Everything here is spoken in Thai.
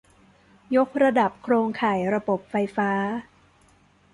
ยกระดับโครงข่ายระบบไฟฟ้า